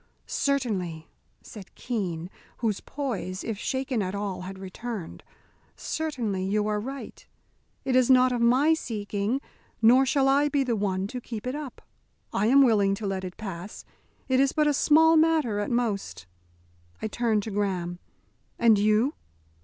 "Certainly," said Keene, whose poise, if shaken at all, had returned, "certainly, you are right. It is not of my seeking, nor shall I be the one to keep it up. I am willing to let it pass. It is but a small matter at most." I turned to Graham "And you?"